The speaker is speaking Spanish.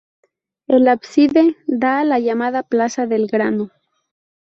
El ábside da a la llamada plaza del Grano.